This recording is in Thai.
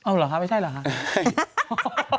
อ่าวบอกแล้วไม่ใช่หรือ